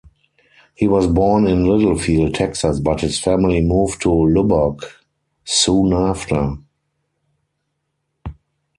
He was born in Littlefield, Texas but his family moved to Lubbock soon after.